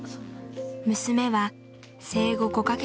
娘は生後５か月。